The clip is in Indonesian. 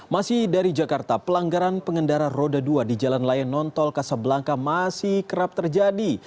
masih dari jakarta pelanggaran pengendara roda dua di jalan layang nontol kasablangka masih kerap terjadi